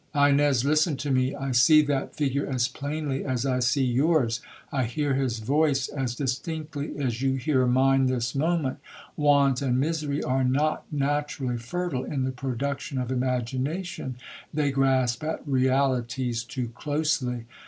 '—'Ines, listen to me. I see that figure as plainly as I see yours,—I hear his voice as distinctly as you hear mine this moment. Want and misery are not naturally fertile in the production of imagination,—they grasp at realities too closely.